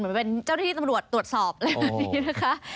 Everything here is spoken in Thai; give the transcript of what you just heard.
เหมือนเป็นเจ้าที่ที่ตำรวจตรวจสอบแบบนี้นะคะ